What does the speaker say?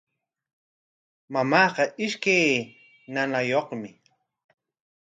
Mamaaqa ishkay ñañayuqmi.